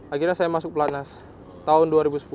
akhirnya saya masuk pelatnas tahun dua ribu sepuluh